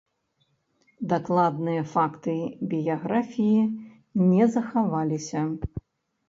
Дакладныя факты біяграфіі не захаваліся.